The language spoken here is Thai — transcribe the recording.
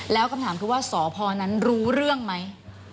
แล้วคำถามคือว่าสพนั้นรู้เรื่องไหม